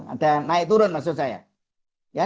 ada naik turun maksud saya